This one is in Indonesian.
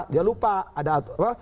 dia lupa ada apa